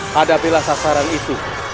hadapilah sasaran itu